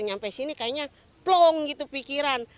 sampai sini kayaknya plong gitu pikiran